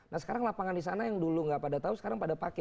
nah sekarang lapangan di sana yang dulu gak pada tau sekarang pada pake